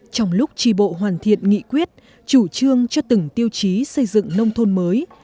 trong lúc trì bộ hoàn thiện nghị quyết chủ trương cho từng tiêu chí xây dựng nông thôn mới